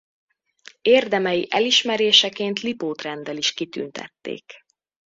Érdemei elismeréseként Lipót-renddel is kitüntették.